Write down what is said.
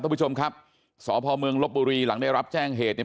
ท่านผู้ชมครับสพเมืองลบบุรีหลังได้รับแจ้งเหตุเนี่ย